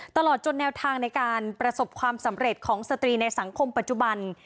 ตลอดจนแนวทางในการประสบความสำเร็จของสตรีในสังคมปัจจุบัน